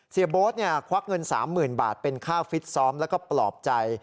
โบ๊ทควักเงิน๓๐๐๐บาทเป็นค่าฟิตซ้อมแล้วก็ปลอบใจ